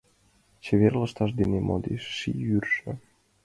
Чевер лышташ дене модеш ший йӱржӧ.